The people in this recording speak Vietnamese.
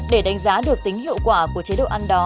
để đánh giá được tính hiệu quả của chế độ ăn đó